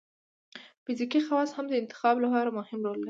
فزیکي خواص هم د انتخاب لپاره مهم رول لري.